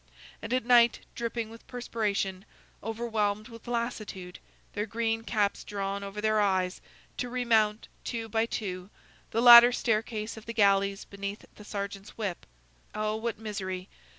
and at night, dripping with perspiration, overwhelmed with lassitude, their green caps drawn over their eyes, to remount, two by two, the ladder staircase of the galleys beneath the sergeant's whip. Oh, what misery!